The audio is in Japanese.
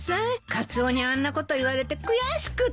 カツオにあんなこと言われて悔しくって。